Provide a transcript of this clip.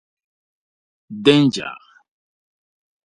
Danger!